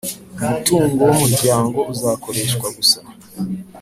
Umutungo w umuryango uzakoreshwa gusa